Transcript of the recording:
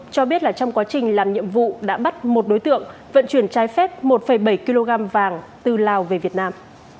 cho biết là trong quá trình làm nhiệm vụ đã bắt một đối tượng vận chuyển trái phép một bảy kg vàng từ lào về việt nam